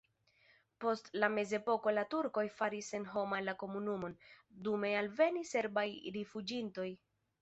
Post la mezepoko la turkoj faris senhoma la komunumon, dume alvenis serbaj rifuĝintoj.